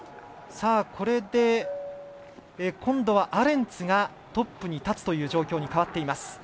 これで、今度はアレンツがトップに立つという状況に変わっています。